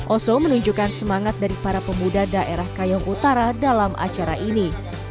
oso menunjukkan semangat dari para pemuda daerah kayong utara dalam acara ini